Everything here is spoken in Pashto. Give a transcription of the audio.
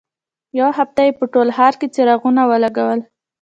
یوه هفته یې په ټول ښار کې څراغونه ولګول.